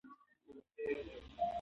فضا یو بې پایه ځای دی.